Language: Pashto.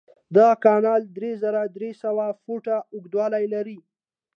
دغه کانال درې زره درې سوه فوټه اوږدوالی لري.